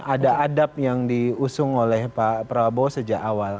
ada adab yang diusung oleh pak prabowo sejak awal